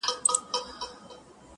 ما په نوم د انتقام يې ته وهلی!